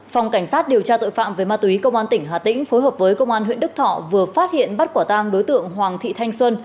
phòng cảnh sát điều tra tội phạm về ma túy công an tỉnh hà tĩnh phối hợp với công an huyện đức thọ vừa phát hiện bắt quả tang đối tượng hoàng thị thanh xuân